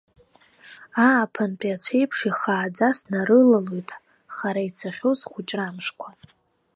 Ааԥынтәи ацәа еиԥш ихааӡа снарылалоит хара ицахьоу схәыҷра амшқәа.